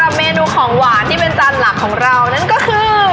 เมนูของหวานที่เป็นจานหลักของเรานั่นก็คือ